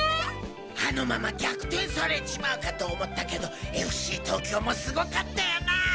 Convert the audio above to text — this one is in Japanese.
あのまま逆転されちまうかと思ったけどＦＣ東京もすごかったよな。